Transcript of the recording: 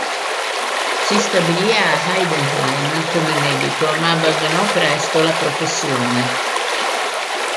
Si stabilì a Heidenheim come medico, ma abbandonò presto la professione.